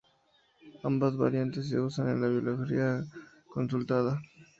Ambas variantes se usan en la bibliografía consultada.